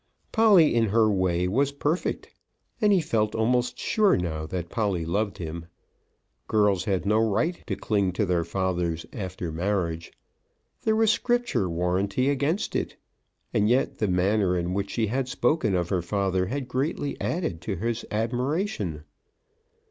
Polly in her way was perfect, and he felt almost sure, now, that Polly loved him. Girls had no right to cling to their fathers after marriage. There was Scripture warranty against it. And yet the manner in which she had spoken of her father had greatly added to his admiration.